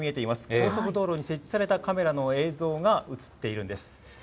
高速道路に設置されたカメラの映像が映っているんです。